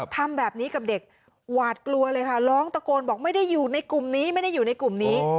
ทำแบบนี้กับเด็กหวาดกลัวเลยค่ะร้องตะโกนบอกไม่ได้อยู่ในกลุ่มนี้ไม่ได้อยู่ในกลุ่มนี้